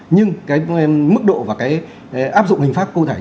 nhưng cái mức độ và cái áp dụng hình pháp